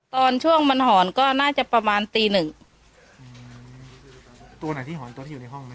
ตอนช่วงมันหอนก็น่าจะประมาณตีหนึ่งอืมตัวไหนที่หอนตัวที่อยู่ในห้องนะ